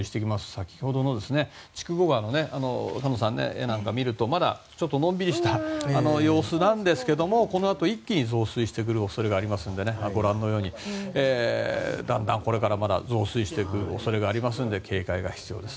先ほどの筑後川の画なんか見るとまだ、ちょっとのんびりした様子なんですがこのあと一気に増水する恐れがありますのでだんだん、これからまだ増水していく恐れがありますので警戒が必要です。